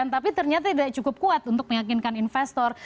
tapi ternyata tidak cukup kuat untuk meyakinkan investor